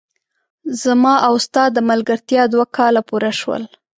زما او ستا د ملګرتیا دوه کاله پوره شول!